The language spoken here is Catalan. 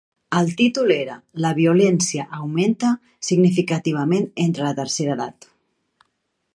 El títol era ‘La violència augmenta significativament entre la tercera edat’.